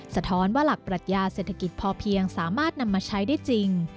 สะท้อนว่าหลักปรัชญาเศรษฐกิจพอเพียงสามารถนำมาใช้ได้จริง